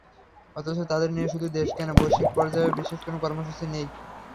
অথচ তাঁদের নিয়ে শুধু দেশ কেন, বৈশ্বিক পর্যায়েও বিশেষ কোনো কর্মসূচি নেই।